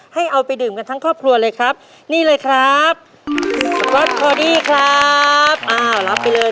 ให้เอาไปดื่มกันทั้งครอบครัวเลยครับนี่เลยครับวัดพอดีครับอ้าวรับไปเลย